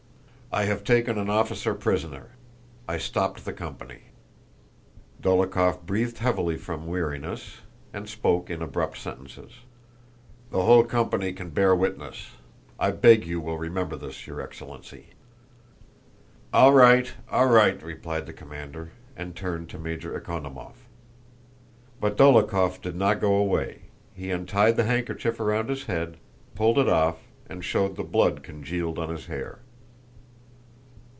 "I have taken an officer prisoner. I stopped the company." Dólokhov breathed heavily from weariness and spoke in abrupt sentences. "The whole company can bear witness. I beg you will remember this, your excellency!" "All right, all right," replied the commander, and turned to Major Ekonómov. But Dólokhov did not go away; he untied the handkerchief around his head, pulled it off, and showed the blood congealed on his hair.